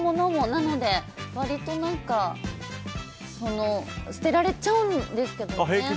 なので、割と捨てられちゃうんですけどね。